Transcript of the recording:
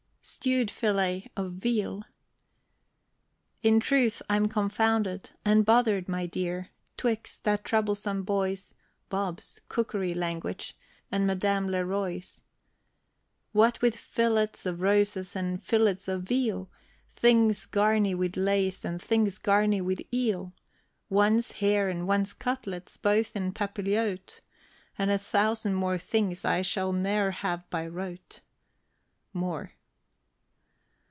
STEWED FILLET OF VEAL. In truth, I'm confounded And bothered, my dear, 'twixt that troublesome boy's (Bob's) cookery language, and Madame Le Roi's. What with fillets of roses and fillets of veal, Things garni with lace, and things garni with eel, One's hair and one's cutlets both en papillote, And a thousand more things I shall ne'er have by rote. MOORE.